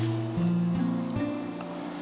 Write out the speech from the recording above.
yang nanti kita bisa berbual